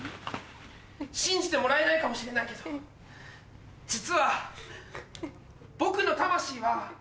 信じてもらえないかもしれないけど実は。